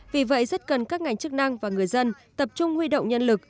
vì vậy rất cần các ngành chức năng và người dân tập trung huy động nhân lực